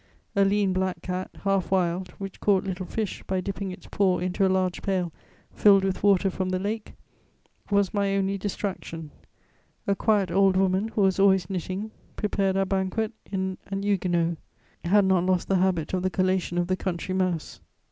_ A lean black cat, half wild, which caught little fish by dipping its paw into a large pail filled with water from the lake, was my only distraction. A quiet old woman, who was always knitting, prepared our banquet in an huguenote. had not lost the habit of the collation of the country mouse.